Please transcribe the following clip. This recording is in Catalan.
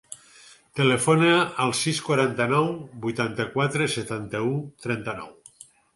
Telefona al sis, quaranta-nou, vuitanta-quatre, setanta-u, trenta-nou.